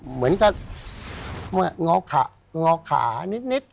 เหมือนกับงอะงอขานิด